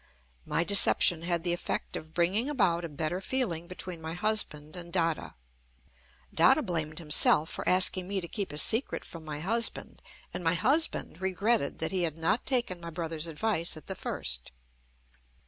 My deception had the effect of bringing about a better feeling between my husband and Dada. Dada blamed himself for asking me to keep a secret from my husband: and my husband regretted that he had not taken my brother's advice at the first.